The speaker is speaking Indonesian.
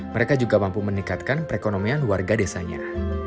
mereka juga mampu meningkatkan perekonomian warga desanya